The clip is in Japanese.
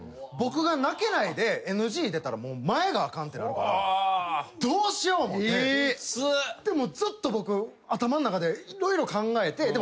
僕が泣けないでＮＧ出たらもう前があかんってなるからどうしよう思うてずっと僕頭の中で色々考えて。